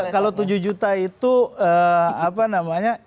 kalau tujuh juta itu apa namanya